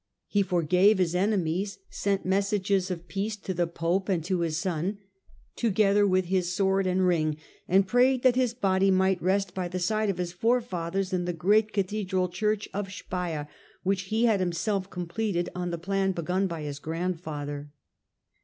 He forgave his enemies, sent messages of peace to the pope and to his son, together with his sword and ring, and prayed that his body might rest by the side of his forefathers in the great cathedral church of Speier which he had himself completed on the plan begun by his grandfather.